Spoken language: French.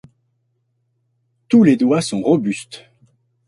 Tous les doigts sont robustes.